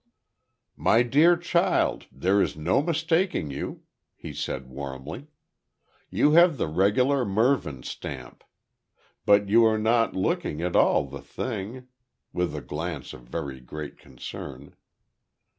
"My dear child, there is no mistaking you," he said warmly. "You have the regular Mervyn stamp. But you are not looking at all the thing," with a glance of very great concern.